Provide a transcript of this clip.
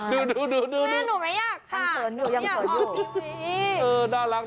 ดู่ะหนูอย่างเลอร์ถึงอย่างเกินอยู่